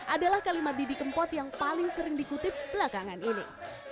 adalah kalimat didi kempot yang paling sering dikutip belakangan ini